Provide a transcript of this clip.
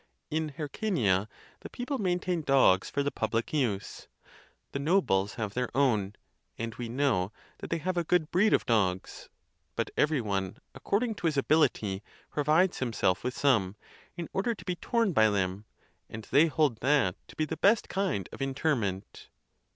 In Hyrca nia, the people maintain dogs for the public use; the no bles have their own—and we know that they have a good breed of dogs; but every one, according to his ability, 3* 58 THE TUSCULAN DISPUTATIONS. provides himself with some, in order to be torn by them; and they hold that to be the best kind of interment.